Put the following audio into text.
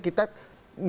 kita gak punya urusan